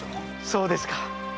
そうですか！